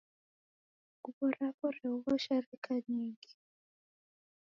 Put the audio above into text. Nguwo rapo re oghosha reka nyingi.